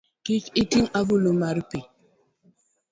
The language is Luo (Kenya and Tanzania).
Kik ito agulu mar pi